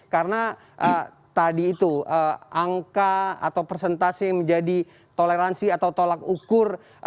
karena tadi itu angka atau persentase yang menjadi toleransi atau tolak ukur